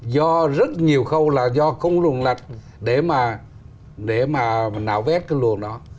do rất nhiều khâu là do không luận lệch để mà nạo vét cái luộc đó